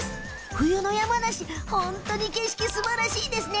冬の山梨、本当に景色がすばらしいですね。